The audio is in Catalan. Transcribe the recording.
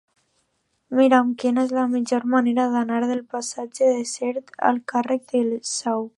Mira'm quina és la millor manera d'anar del passatge de Sert al carrer del Saüc.